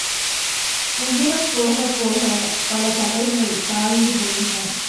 உயரப் போகப் போக பல தடைகள் தாழ்ந்து போயின.